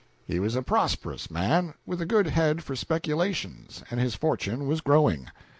He was a prosperous man, with a good head for speculations, and his fortune was growing.